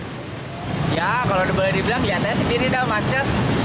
ya kalau boleh dibilang lihatnya sendiri dah macet